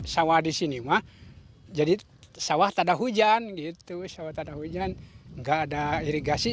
sawah di sini jadi sawah tidak ada hujan tidak ada irigasi